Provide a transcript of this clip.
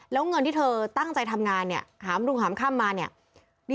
แล้วเงินที่เธอตั้งใจทำงานเนี่ยหามรุงหามค่ำมาเนี่ย